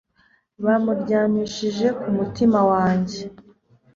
bamuryamishije ku mutima wanjye